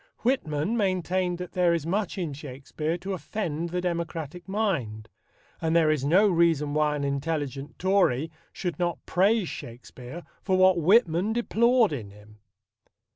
Whitman maintained that there is much in Shakespeare to offend the democratic mind; and there is no reason why an intelligent Tory should not praise Shakespeare for what Whitman deplored in him.